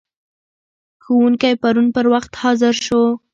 ښوونکی پرون پر وخت حاضر شو.